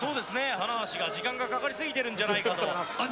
棚橋が時間がかかりすぎてるんじゃないかと。